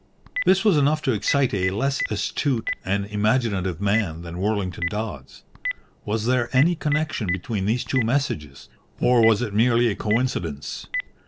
This was enough to excite a less astute and imaginative man than Worlington Dodds. Was there any connection between these two messages, or was it merely a coincidence?